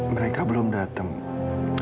mereka belum datang